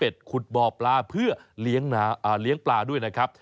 ขุดบ่อปลาเพื่อเลี้ยงปลาด้วยนะครับ